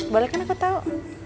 boleh kan aku tau